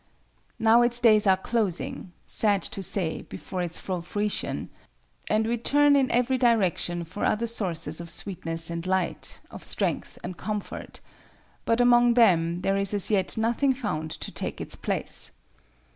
Now its days are closing—sad to say, before its full fruition—and we turn in every direction for other sources of sweetness and light, of strength and comfort, but among them there is as yet nothing found to take its place.